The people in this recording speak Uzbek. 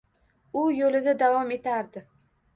U yo’lida davom etardi.